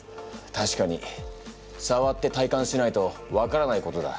たしかにさわって体感しないと分からないことだ。